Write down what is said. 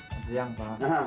selamat siang pak